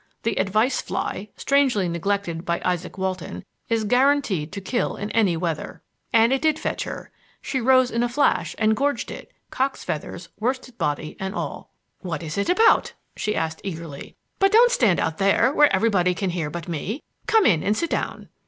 The "advice fly" strangely neglected by Izaak Walton is guaranteed to kill in any weather.) And it did fetch her. She rose in a flash and gorged it, cock's feathers, worsted body and all. "What is it about?" she asked eagerly. "But don't stand out there where everybody can hear but me. Come in and sit down."